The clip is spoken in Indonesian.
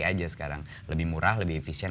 aja sekarang lebih murah lebih efisien